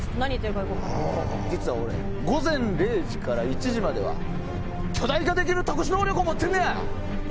実は俺、午前０時から１時までは巨大化できる特殊能力持ってんねん！